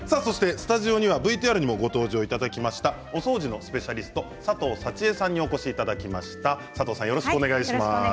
スタジオにはＶＴＲにもご登場いただきましたお掃除のスペシャリスト佐藤幸恵さんにお越しいただきました。